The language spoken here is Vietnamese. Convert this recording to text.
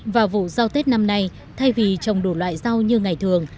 vào vụ rau tết năm nay thay vì trồng đủ loại rau như ngày thường